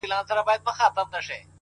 جانان لکه ريښه د اوبو هر ځای غځېدلی”